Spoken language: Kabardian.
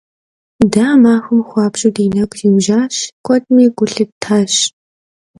De a maxuem xuabju di negu ziujaş, kuedmi gu lhıttaş.